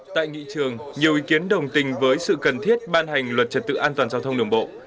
tại nghị trường nhiều ý kiến đồng tình với sự cần thiết ban hành luật trật tự an toàn giao thông đường bộ